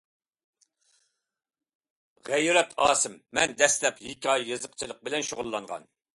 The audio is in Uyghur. غەيرەت ئاسىم: مەن دەسلەپ ھېكايە يېزىقچىلىقى بىلەن شۇغۇللانغان.